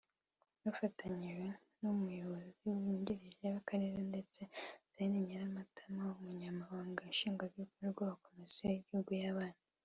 Bafatanije n'umuyobozi wungirije w'Akarere ndetse na Zaina Nyiramatama umunyamabanga nshingwabikorwa wa komisiyo y'igihugu y'abana